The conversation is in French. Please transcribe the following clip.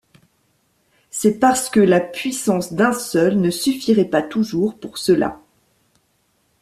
C'est parce que la puissance d'un seul ne suffirait pas toujours pour cela.